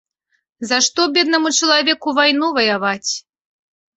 За што беднаму чалавеку вайну ваяваць?